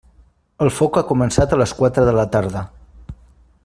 El foc ha començat a les quatre de la tarda.